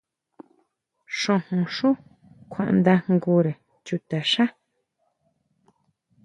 Xojón xú kuandajngure chutaxá.